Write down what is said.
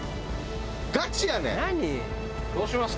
ガチやねん。